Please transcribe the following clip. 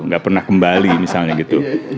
gak pernah kembali misalnya gitu